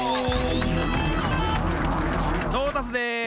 トータスです！